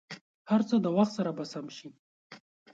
هر څه د وخت سره به سم شي.